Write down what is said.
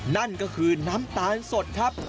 นั่นก็คือน้ำตาลสดครับ